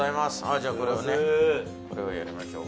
じゃこれをね。これをやりましょう。